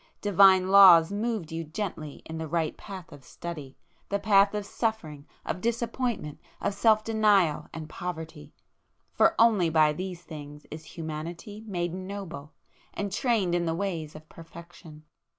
Divine laws moved you gently in the right path of study,—the path of suffering, of disappointment, of self denial and poverty,—for only by these things is humanity made noble and trained in the ways of perfection.